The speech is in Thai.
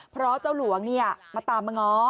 เพราะเจ้าหลวงมาตามมาง้อ